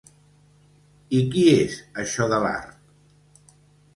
I qui és això de l'Art?